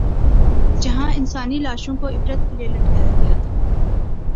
جہاں انسانی لاشوں کو عبرت کے لیے لٹکایا گیا تھا۔